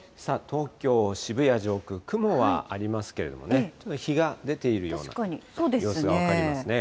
東京・渋谷上空、雲はありますけれどもね、ちょっと日が出ているような様子が分かりますね。